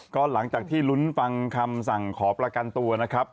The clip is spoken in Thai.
ก็หลังจากที่ลุ้นฟังคำสั่งขอประกันตัวนะครับ